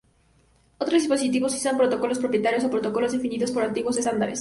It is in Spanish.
Otros dispositivos usan protocolos propietarios o protocolos definidos por antiguos estándares.